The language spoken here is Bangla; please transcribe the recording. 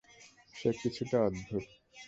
সে কিছুটা অদ্ভুত।